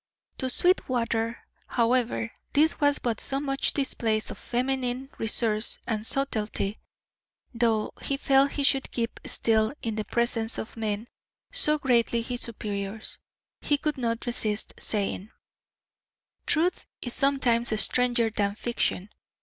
To Sweetwater, however, this was but so much display of feminine resource and subtlety. Though he felt he should keep still in the presence of men so greatly his superiors, he could not resist saying: "Truth is sometimes stranger than fiction.